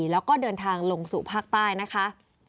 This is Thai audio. แล้วก็เดินทางลงสู่ภาคใต้นะคะ